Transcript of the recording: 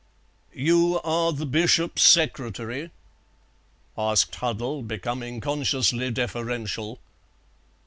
"You are the Bishop's secretary?" asked Huddle, becoming consciously deferential.